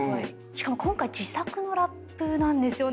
しかも今回自作のラップなんですよね。